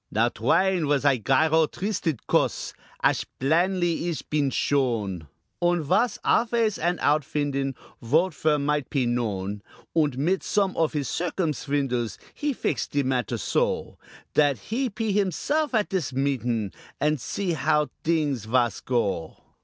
Now Twine vas a gyrotwistive cuss, Ash blainly ish peen shown, Und vas alfays an out findin Votefer might pe known; Und mit some of his circumswindles He fix de matter so Dat he'd pe himself at dis meetin And see how dings vas go.